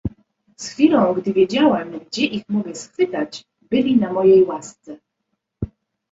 "Z chwilą, gdy wiedziałem, gdzie ich mogę schwytać, byli na mojej łasce."